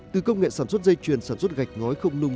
từ công nghệ sản xuất dây chuyền sản xuất gạch ngói không nung